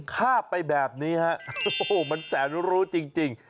ข้าไปแบบนี้ฮะมันแสนรู้จริง